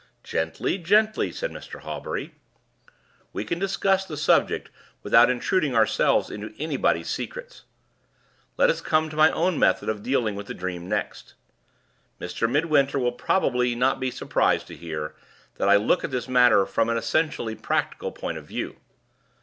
"Gently! gently!" said Mr. Hawbury. "We can discuss the subject without intruding ourselves into anybody's secrets. Let us come to my own method of dealing with the dream next. Mr. Midwinter will probably not be surprised to hear that I look at this matter from an essentially practical point of view."